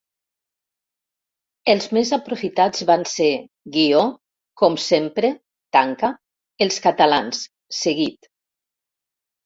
Els més aprofitats van ser guió com sempre tanca, els catalans, seguit.